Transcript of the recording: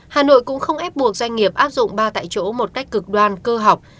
hà nội cũng không ép buộc doanh nghiệp áp dụng ba tại chỗ một cách cực đoan cơ học